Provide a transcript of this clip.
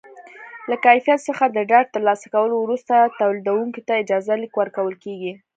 له کیفیت څخه د ډاډ ترلاسه کولو وروسته تولیدوونکي ته اجازه لیک ورکول کېږي.